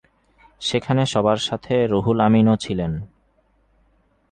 সেখানে সবার সাথে রুহুল আমিনও ছিলেন।